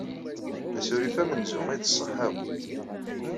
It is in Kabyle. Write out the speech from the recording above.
D asurif amenzu i d ṣṣeḥ akk.